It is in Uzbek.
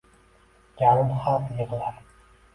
Yarim xalq yig’lar.